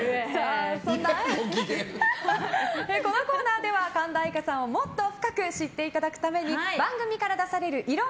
このコーナーは神田愛花さんのことをもっと深く知っていただくために番組から出されるいろ